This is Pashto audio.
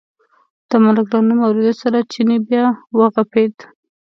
د ملک له نوم اورېدو سره چیني بیا و غپېد.